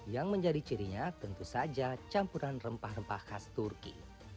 yang menjadi cirinya tentu saja campuran rempah rempah khas turki